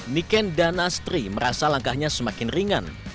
niken dan astri merasa langkahnya semakin ringan